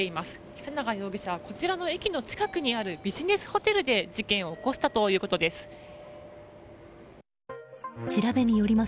久永容疑者はこちらの駅の近くにあるビジネスホテルで事件を起こしたということです。